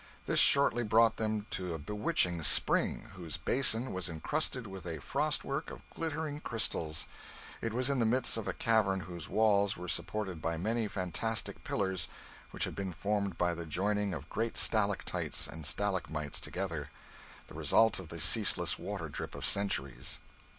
This shortly brought them to a bewitching spring, whose basin was incrusted with a frostwork of glittering crystals; it was in the midst of a cavern whose walls were supported by many fantastic pillars which had been formed by the joining of great stalactites and stalagmites together, the result of the ceaseless water drip of centuries.